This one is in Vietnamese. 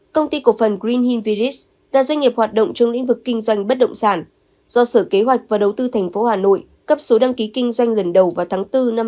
công ty cổ phần green hill village đã doanh nghiệp hoạt động trong lĩnh vực kinh doanh bất động sản do sở kế hoạch và đầu tư thành phố hà nội cấp số đăng ký kinh doanh lần đầu vào tháng bốn năm hai nghìn một mươi tám